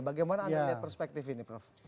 bagaimana anda melihat perspektif ini prof